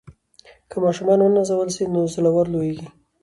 که ماشومان ونازول سي نو زړور لویېږي.